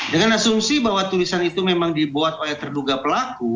dengan asumsi bahwa tulisan itu memang dibuat oleh terduga pelaku